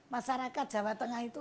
masyarakat jawa tengah itu